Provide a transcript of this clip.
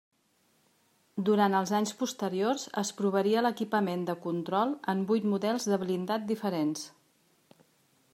Durant els anys posteriors es provaria l'equipament de control en vuit models de blindat diferents.